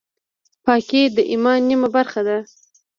پاکي د ایمان نیمه برخه ده.